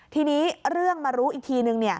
ทีนี้เรื่องมารู้อีกทีนึง